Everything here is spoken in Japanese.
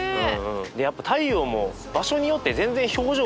でやっぱ太陽も場所によって全然表情が違うなと思ったね。